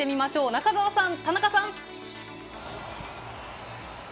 中澤さん、田中さん。